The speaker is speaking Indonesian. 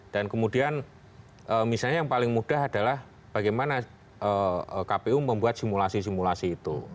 dan kemudian misalnya yang paling mudah adalah bagaimana kpu membuat simulasi simulasi itu